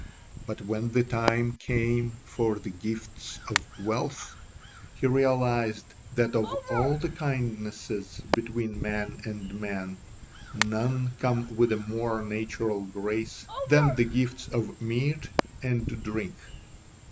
But when the time came for the gifts of wealth, he realised that of all the kindnesses between man and man none come with a more natural grace than the gifts of meat and drink.